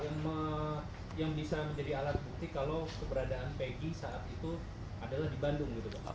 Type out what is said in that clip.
yang bisa menjadi alat bukti kalau keberadaan pg saat itu adalah di bandung gitu